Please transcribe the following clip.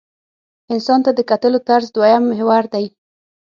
انسان ته د کتلو طرز دویم محور دی.